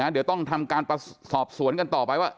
เดี๋ยวต้องทำการสอบสวนกันต่อไปว่า